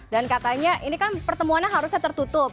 dan katanya ini kan pertemuannya harusnya tertutup